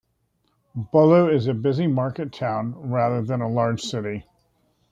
Bolu is a busy market town rather than a large city.